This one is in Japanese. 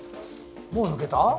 もう抜けた？